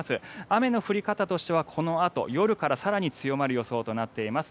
雨の降り方としてはこのあと、夜から更に強まる予想となっています。